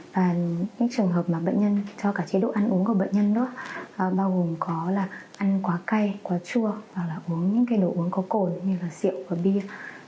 và những trường hợp mà bệnh nhân cho cả chế độ ăn uống của bệnh nhân đó bao gồm có là ăn quá cay quá chua hoặc là uống những cái đồ uống có cồn như là rượu và bia